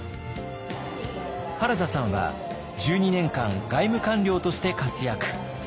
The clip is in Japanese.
原田さんは１２年間外務官僚として活躍。